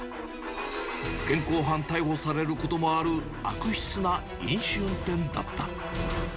現行犯逮捕されることもある、悪質な飲酒運転だった。